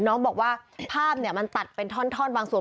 น้องบอกว่าภาพมันตัดเป็นท่อนบางส่วน